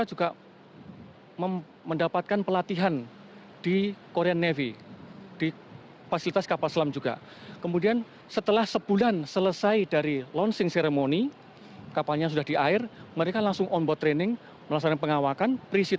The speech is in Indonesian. untuk bisa menghandle serangan